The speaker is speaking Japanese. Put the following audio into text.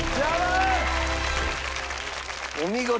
お見事！